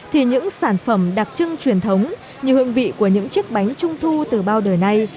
thì những sản phẩm đặc trưng truyền thống như hương vị của những chiếc bánh trung thu từ bao đời nay